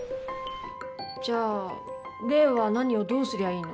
じゃあ怜は何をどうすりゃいいの？